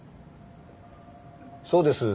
そうです。